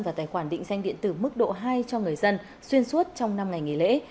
và tài khoản định danh điện tử mức độ hai cho người dân xuyên suốt trong năm ngày nghỉ lễ